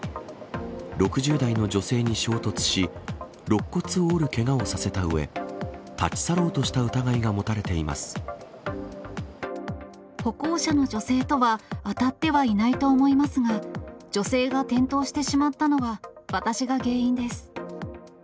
６０代の女性に衝突し、ろっ骨を折るけがをさせたうえ、立ち去ろうとした疑いが持たれて歩行者の女性とは当たってはいないと思いますが、女性が転倒してしまったのは私が原因です。